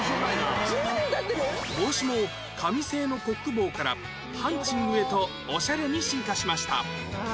帽子も紙製のコック帽からハンチングへとオシャレに進化しました